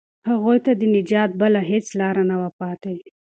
هغوی ته د نجات بله هیڅ لاره نه وه پاتې.